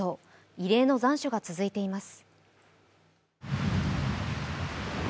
異例の残暑が続いています。